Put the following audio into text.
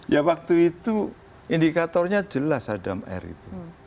ya waktu itu indikatornya jelas adam r itu